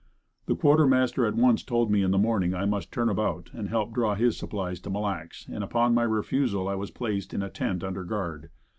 The quartermaster at once told me that in the morning I must turn about and help draw his supplies to Mille Lacs and upon my refusal I was placed in a tent under guard.